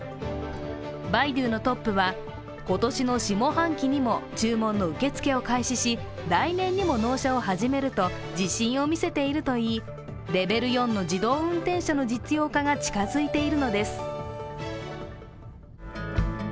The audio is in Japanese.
バイドゥのトップは、今年の下半期にも注文の受け付けを開始し来年にも納車を始めると自信を見せているといい、レベル４の自動運転車の実用化が近づいているのです。